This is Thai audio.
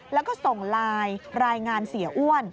แล้วก็ส่งไลน์รายงานเสียอ้วน